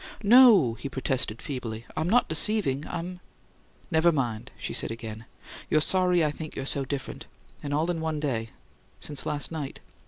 "Oh, no," he protested, feebly. "I'm not deceiving. I'm " "Never mind," she said again. "You're sorry I think you're so different and all in one day since last night.